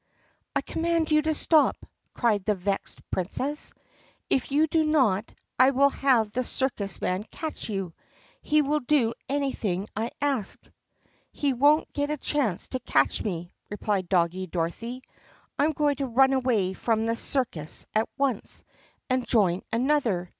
"I command you to stop!" cried the vexed Princess. "If you do not I will have the circus man catch you. He will do anything I ask." "He won't get a chance to catch me!" replied Doggie Dor othy. "I am going to run away from this circus at once and join another!